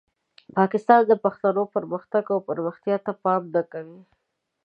پاکستان د پښتنو پرمختګ او پرمختیا ته پام نه کوي.